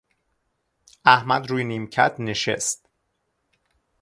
احمد روی نیمکت نشست.